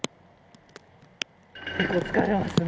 結構疲れますね。